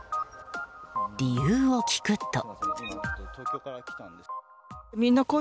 理由を聞くと。